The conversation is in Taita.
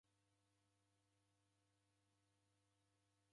W'alegha mwana wake